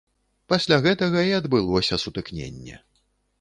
Пасля гэтага і адбылося сутыкненне.